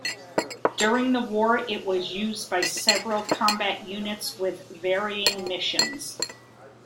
During the war it was used by several combat units with varying missions.